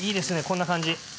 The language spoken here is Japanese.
こんな感じ。